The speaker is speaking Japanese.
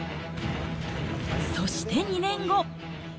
そして２年後。